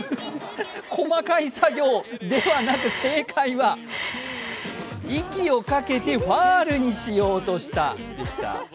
細かい作業ではなく正解は息をかけてファウルにしようとした、でした。